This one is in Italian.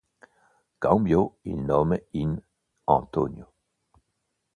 Cambiò il nome in Antonio.